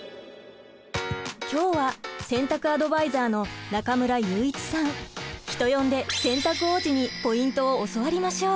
今日は洗濯アドバイザーの人呼んで洗濯王子にポイントを教わりましょう。